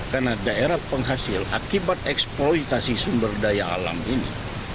karena daerah penghasil akibat eksploitasi sumber daya alam ini